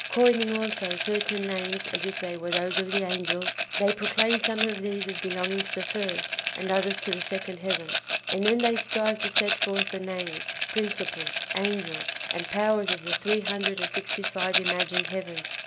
Coining also certain names as if they were those of the angels, they proclaim some of these as belonging to the first, and others to the second heaven ; and then they strive to set forth the names, principles, angels, and powers of the three hundred and sixty five imaf^ined heavens.